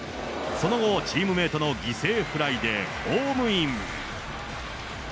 その後、チームメートの犠牲フライでホームイン。